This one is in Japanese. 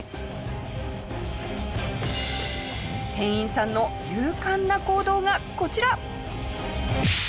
店員さんの勇敢な行動がこちら！